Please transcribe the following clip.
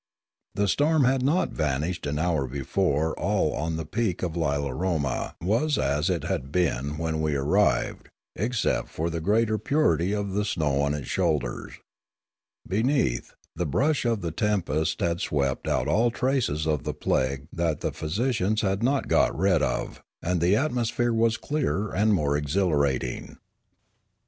The storm had not vanished an hour before all on the peak of Lilaroma was as it had been when we arrived, except for the greater purity of the snow on its shoulders. Beneath, the brush of the tempest had swept out all traces of the plague that the physi cians had not got rid of, and the atmosphere was clearer and more exhilarating.